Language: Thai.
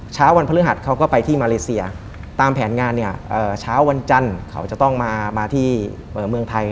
เช้าวันพฤหัสเขาก็ไปที่มาเลเซียตามแผนงานเนี่ยเช้าวันจันทร์เขาจะต้องมาที่เมืองไทย